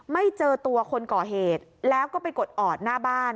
ไม่เจอตัวคนก่อเหตุแล้วก็ไปกดออดหน้าบ้าน